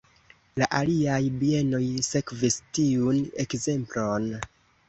La aliaj bienoj sekvis tiun ekzemplon.